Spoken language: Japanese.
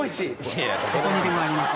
どこにでもあります。